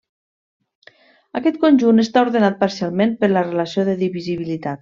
Aquest conjunt està ordenat parcialment per la relació de divisibilitat.